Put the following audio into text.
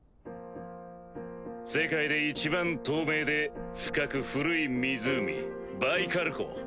世界でいちばん透明で深く古い湖バイカル湖。